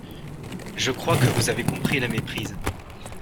Je crois que vous avez compris la méprise.